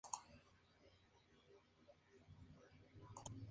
Durante el Mesozoico esta región estuvo sumergida bajo las aguas marinas.